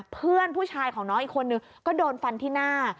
เพื่อนผู้ชายของน้องอีกคนนึงก็โดนฟันที่หน้า